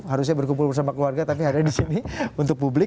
harusnya berkumpul bersama keluarga tapi ada di sini untuk publik